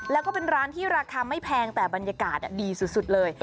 แล้วก็เป็นร้านที่ราคาไม่แพงแต่บรรยากาศดีสุดเลย